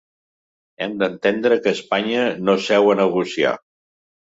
Hem d’entendre que Espanya no seu a negociar.